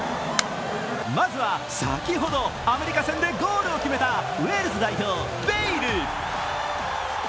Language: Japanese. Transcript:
まずは先ほどアメリカ戦でゴールを決めたウェールズ代表、ベイル。